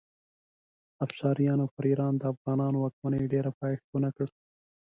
افشاریانو پر ایران د افغانانو واکمنۍ ډېر پایښت ونه کړ.